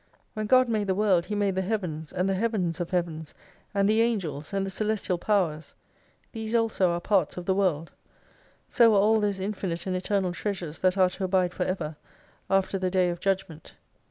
When God made the World He made the Heavens, and the Heavens of Heavens, and the Angels, and the Celestial Powers. These also are parts of the World : So are all those infinite and eternal Treasures that arc to abide for ever, after the Day of Judgment.